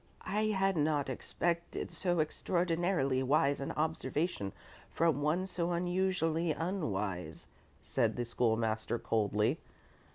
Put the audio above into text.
"I had not expected so extraordinarily wise an observation from one so unusually unwise," said the School master, coldly.